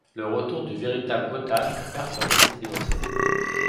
Le retour du véritable otage va perturber cette mise en scène.